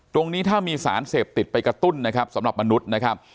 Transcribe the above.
ตรงนี้ถ้ามีสารเสพติดไปกระตุ้นนะครับสำหรับมนุษย์นะครับ